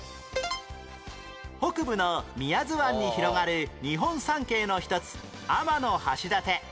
北部の宮津湾に広がる日本三景の一つ天橋立